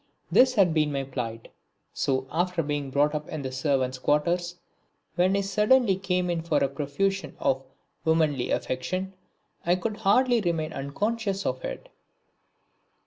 This had been my plight. So after being brought up in the servants' quarters when I suddenly came in for a profusion of womanly affection, I could hardly remain unconscious of it.